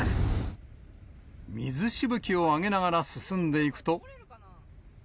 水しぶきを上げながら進んでいくと。